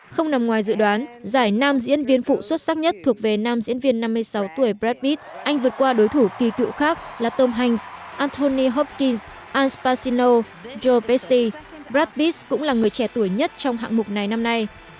không nằm ngoài dự đoán giải nam diễn viên phụ xuất sắc nhất thuộc về nam diễn viên năm mươi sáu tuổi brad pitt anh vượt qua đối thủ kỳ cựu khác là tom hanks anthony hopkins anspacino joe pesci brad pitt cũng là người trẻ tuổi nhất trong hạng mục này năm nay